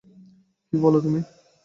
কী বল তুমি!